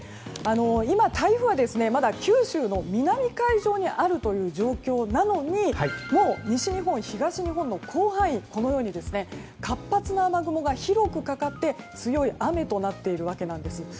今、台風は九州の南海上にあるという状況なのにもう西日本、東日本の広範囲でこのように活発な雨雲が広くかかって強い雨となっているわけなんです。